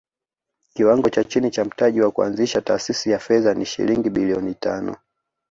Kiwango cha chini cha mtaji wa kuanzisha taasisi ya fedha ni shilingi bilioni tano